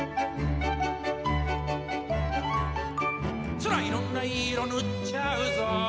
「そらいろんないい色ぬっちゃうぞ」